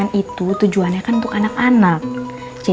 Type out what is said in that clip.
ini abang mau dititip diri ya